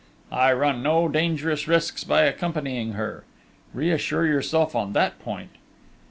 I run no dangerous risks by accompanying her! Reassure yourself on that point!..."